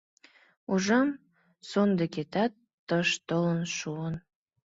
Ужам, сондыкетат тыш толын шуын.